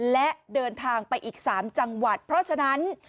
และเดินทางไปอีก๓จังหวัดเพราะฉะนั้น